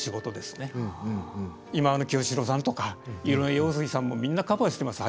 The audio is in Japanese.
忌野清志郎さんとか井上陽水さんもみんなカバーしてます